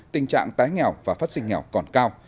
tình trạng tái nghèo và phát sinh nghèo còn cao